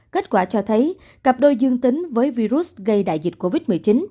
kết quả cho thấy cặp đôi dương tính với virus gây đại dịch covid một mươi chín